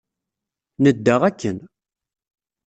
Nedda akken.